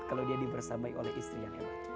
kalau dia di bersamai oleh istri yang hebat